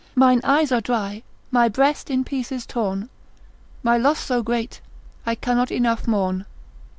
Mine eyes are dry, my breast in pieces torn, My loss so great, I cannot enough mourn.